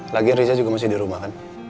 lagi risa juga masih di rumah kan